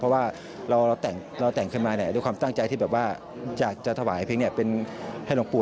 เพราะว่าเราแต่งขึ้นมาด้วยความตั้งใจที่อยากจะถวายเพลงเป็นให้หลวงปู่